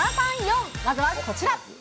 まずはこちら。